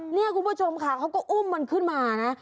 นี่คุณผู้ชมค่ะเขาก็อุ้มมันขึ้นมานะ